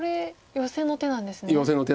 ヨセの手なんです。